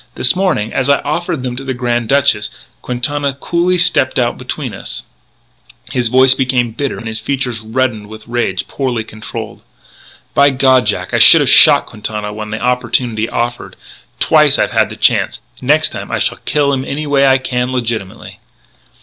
This morning, as I offered them to the Grand Duchess, Quintana coolly stepped between us " His voice became bitter and his features reddened with rage poorly controlled: "By God, Jack, I should have shot Quintana when the opportunity offered. Twice I've had the chance. The next time I shall kill him any way I can.... Legitimately."